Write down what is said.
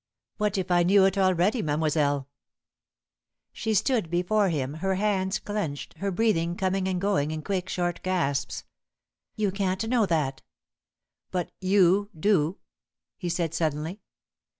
"What if I knew it already, mademoiselle?" She stood before him, her hands clenched, her breathing coming and going in quick, short gasps. "You can't know that." "But you do," he said suddenly.